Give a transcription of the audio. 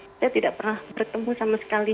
kita tidak pernah bertemu sama sekali